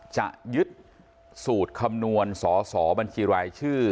จะยึดสูตรคำนวณสอสอบัญชีรายชื่อ